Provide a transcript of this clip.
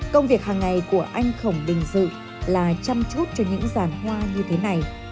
công việc hàng ngày của anh khổng bình dự là chăm chút cho những dàn hoa như thế này